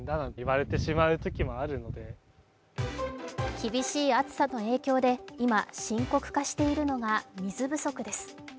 厳しい暑さの影響で今、深刻化しているのが水不足です。